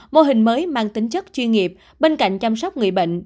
mô hình mới mang tính chất chuyên nghiệp bên cạnh chăm sóc người bệnh